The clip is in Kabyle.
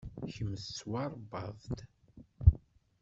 Kemm tettwaṛebbaḍ-d.